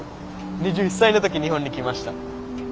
２１歳の時日本に来ました。